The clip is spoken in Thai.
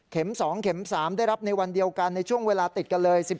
๒เข็ม๓ได้รับในวันเดียวกันในช่วงเวลาติดกันเลย